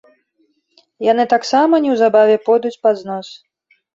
Яны таксама неўзабаве пойдуць пад знос.